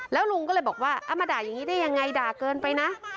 แล้วลุงก็เลยบอกว่าเอามาด่าอย่างนี้ได้ยังไงด่าเกินไปนะ